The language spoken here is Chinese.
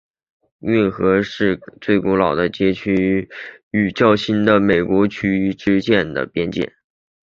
运河街为该市最古老的街区法国区与较新的美国区之间的边界。